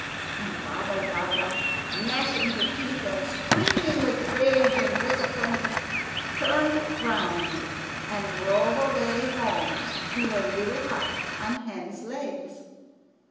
And Baba Yaga, gnashing her teeth and screaming with rage and disappointment, turned round and drove away home to her little hut on hen's legs.